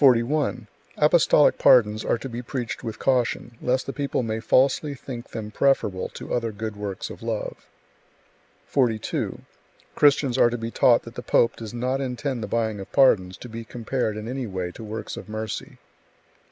41. Apostolic pardons are to be preached with caution, lest the people may falsely think them preferable to other good works of love. 42. Christians are to be taught that the pope does not intend the buying of pardons to be compared in any way to works of mercy.